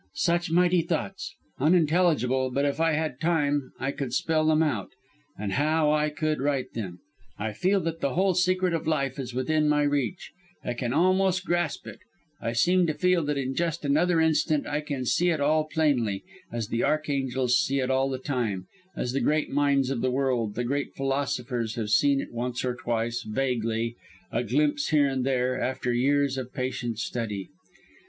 Such mighty thoughts! Unintelligible, but if I had time I could spell them out, and how I could write then! I feel that the whole secret of Life is within my reach; I can almost grasp it; I seem to feel that in just another instant I can see it all plainly, as the archangels see it all the time, as the great minds of the world, the great philosophers, have seen it once or twice, vaguely a glimpse here and there, after years of patient study.